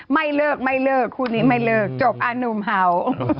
ไม่เลิกไม่เลิกคู่นี้ไม่เลิกจบอ่ะหนุ่มเห่า